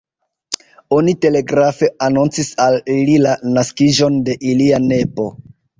Oni telegrafe anoncis al ili la naskiĝon de ilia nepo.